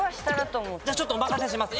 じゃあちょっとお任せします。